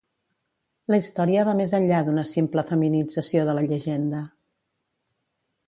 La història va més enllà d'una simple feminització de la llegenda.